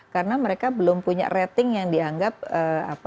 karena mereka belum punya rating yang dianggap memenuhi syarat